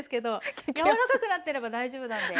柔らかくなってれば大丈夫なんで。